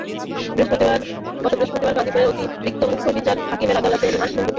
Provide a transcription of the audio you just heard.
গতকাল বৃহস্পতিবার গাজীপুরের অতিরিক্ত মুখ্য বিচারিক হাকিমের আদালত রিমান্ড মঞ্জুর করেন।